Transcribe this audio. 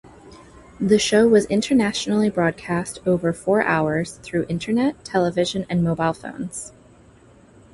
The show was internationally broadcast over four hours through internet, television and mobile phones.